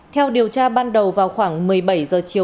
theo điều tra ban đầu vào khoảng một mươi bảy giờ chiều